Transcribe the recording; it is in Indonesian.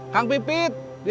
sampai jumpa lagi